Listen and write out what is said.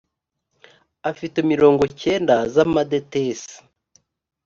afite mirongo cyenda z amadetesi